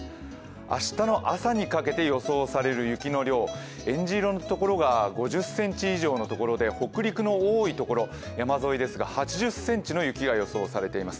明日の朝にかけて予想される雪の量、えんじ色のところが５０ｃｍ以上のところで、北陸の多いところ山沿いですが、８０ｃｍの雪が予想されています。